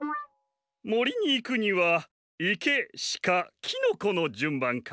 もりにいくにはいけシカキノコのじゅんばんか。